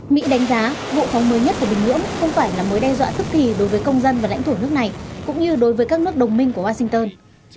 mỹ đánh giá vụ phóng mới nhất của bình nhưỡng không phải là mối đe dọa tức thì đối với công dân và lãnh thổ nước này cũng như đối với các nước đồng minh của washington